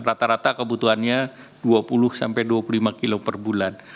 rata rata kebutuhannya dua puluh sampai dua puluh lima kilo per bulan